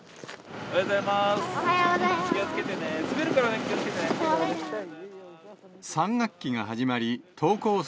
おはようございます。